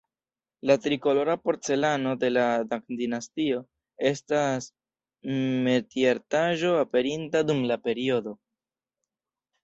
La tri-kolora porcelano de la Tang-dinastio estas metiartaĵo aperinta dum la periodo.